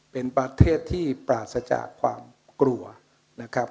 เป็นประเทศที่ปราศจากความกลัวนะครับ